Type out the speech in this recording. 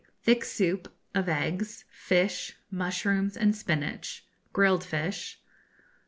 Thick Soup, of Eggs, Fish, Mushrooms, and Spinach; Grilled Fish.